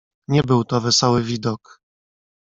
"Nie był to wesoły widok."